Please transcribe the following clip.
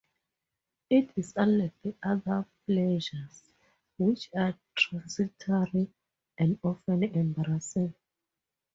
It is unlike the other pleasures, which are transitory and often embarrassing.